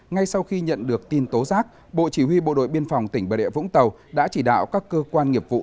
ngay sau khi nhận được tin tố giác bộ chỉ huy bộ đội biên phòng tỉnh bà rịa vũng tàu đã chỉ đạo các cơ quan nghiệp vụ